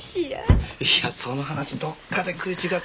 いやその話どっかで食い違ってるような。